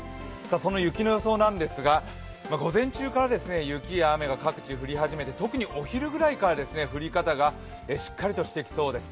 その雪の予想なんですが午前中から雪や雨が各地、降り始めて特にお昼くらいから降り方がしっかりとしていきそうです。